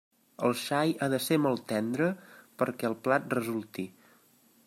El xai ha de ser molt tendre perquè el plat resulti.